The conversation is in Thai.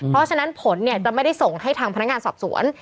เพราะฉะนั้นผลจะไม่ได้ส่งให้ทางพนักงานสอบสวน